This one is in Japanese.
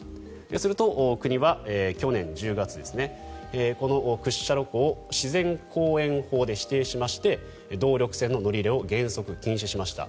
すると、国は去年１０月この屈斜路湖を自然公園法で指定しまして動力船の乗り入れを原則禁止しました。